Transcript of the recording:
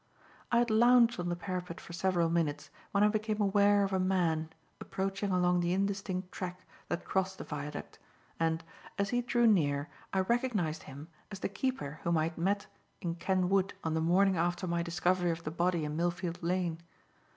I had lounged on the parapet for several minutes, when I became aware of a man, approaching along the indistinct track that crossed the viaduct, and, as he drew near, I recognized him as the keeper whom I had met in Ken Wood on the morning after my discovery of the body in Millfield Lane.